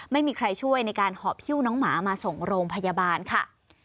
ไม่มีใครช่วยในการหอบหิ้วน้องหมามาส่งโรงพยาบาลค่ะ